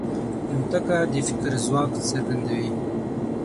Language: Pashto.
الوتکه د فکر ځواک څرګندوي.